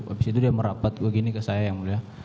habis itu dia merapat begini ke saya yang mulia